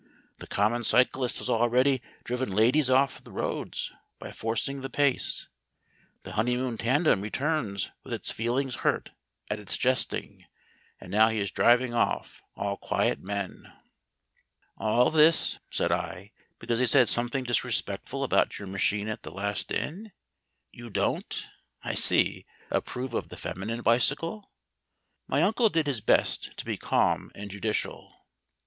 The common cyclist has already driven ladies off the roads by forcing the pace, the honeymoon tandem returns with its feelings hurt at his jesting, and now he is driving off all quiet men." "All this," said I, "because they said something disrespectful about your machine at the last inn... You don't, I see, approve of the feminine bicycle?" My uncle did his best to be calm and judicial.